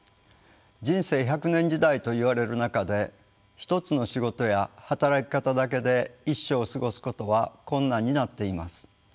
人生１００年時代といわれる中で一つの仕事や働き方だけで一生を過ごすことは困難になっています。